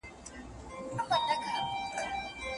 خپلواکه څېړنه ډېری وخت نوښتګره وي.